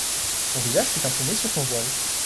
Son visage fut imprimé sur son voile.